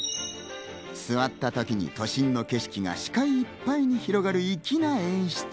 座ったときに都心の景色が視界いっぱいに広がる粋な演出。